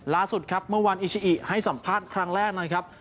ล่าสุดครับเมื่อวานอิชิอิให้สัมภาษณ์ครั้งแรกนะครับ